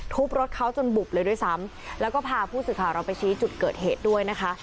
รถเขาจนบุบเลยด้วยซ้ำแล้วก็พาผู้สื่อข่าวเราไปชี้จุดเกิดเหตุด้วยนะคะ